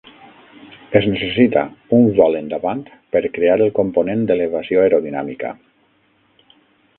Es necessita un vol endavant per crear el component d'elevació aerodinàmica.